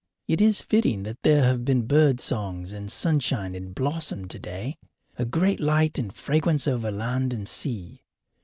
It is fitting that there have been bird songs and sunshine and blossom today, a great light and fragrance over land and sea.